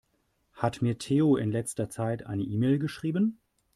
Hat mir Theo in letzter Zeit eine E-Mail geschrieben?